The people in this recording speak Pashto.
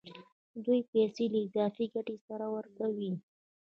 دوی پیسې له اضافي ګټې سره ورکوي